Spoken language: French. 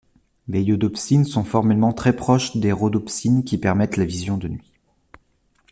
Les iodopsines sont formellement très proches des rhodopsines qui permettent la vision de nuit.